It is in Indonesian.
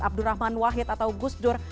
abdurrahman wahid atau gustur